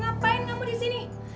ngapain kamu disini